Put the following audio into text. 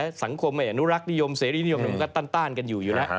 กระแสสังคมอนุรักษ์นิยมเศรษฐ์นิยมมันก็ต้านกันอยู่แล้ว